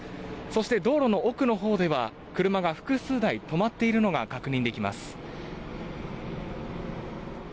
そして、道路の奥のほうでは車が複数台止まっているのが確認できます。